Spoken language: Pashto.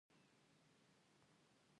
خپل مال او سامان د هغه زده کوونکي په څېر.